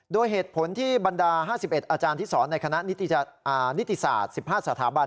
โดยเหตุผลที่บรรดา๕๑อาจารย์ที่สอนในคณะนิติศาสตร์๑๕สถาบัน